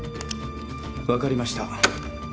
分かりました。